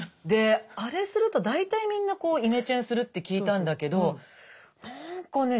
あれすると大体みんなイメチェンするって聞いたんだけど何かね